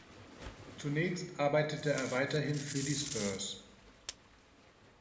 Zunächst arbeitete er weiterhin für die Spurs.